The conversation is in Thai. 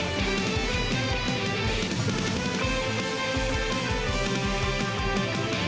โปรดติดตามตอนต่อไป